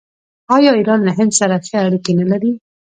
آیا ایران له هند سره ښه اړیکې نلري؟